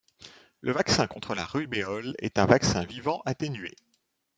Le vaccin contre la rubéole est un vaccin vivant atténué.